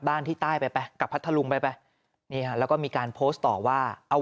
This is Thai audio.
บ้านที่ใต้ไปไปกลับพัทรลุงไปไปแล้วก็มีการโพสต์ต่อว่าเอา